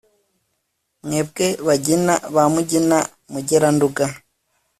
mwebwe bagina ba mugina na mugera-nduga